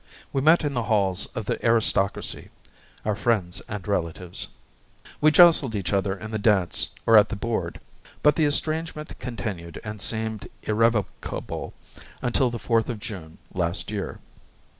We met in the halls of the aristocracy our friends and relatives. We jostled each other in the dance or at the board; but the estrangement continued, and seemed irrevocable, until the fourth of June, last year.